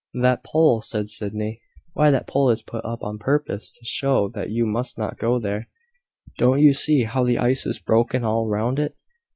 "That pole!" said Sydney. "Why, that pole is put up on purpose to show that you must not go there. Don't you see how the ice is broken all round it?